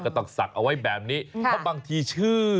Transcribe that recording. ต้องศักดิ์เอาไว้แบบนี้เพราะบางทีชื่อ